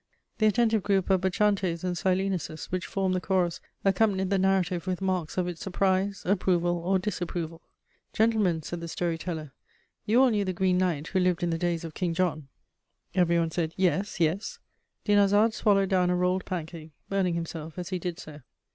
The attentive group of bacchantes and Silenuses which formed the chorus accompanied the narrative with marks of its surprise, approval, or disapproval. "Gentlemen," said the story teller, "you all knew the Green Knight, who lived in the days of King John?" Every one said: "Yes, yes." Dinarzade swallowed down a rolled pancake, burning himself as he did so.